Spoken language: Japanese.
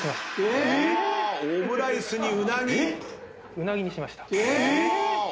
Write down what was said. うなぎにしました。